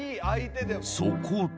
そこで